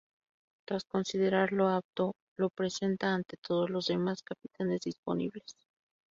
Tras considerarlo apto lo presenta ante todos los demás Capitanes disponibles.